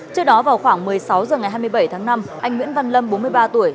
trước đó vào khoảng một mươi sáu h ngày hai mươi bảy tháng năm anh nguyễn văn lâm bốn mươi ba tuổi